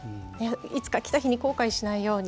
いつか来た日に後悔しないように。